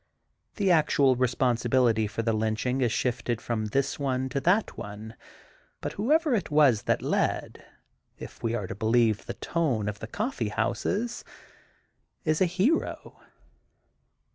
The actual responsibility for the lynching is shifted from this one to that one, but, whoever it was that led (if we are to believe the tone of the coffee houses) is a hero.